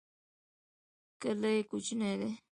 کلی کوچنی دی.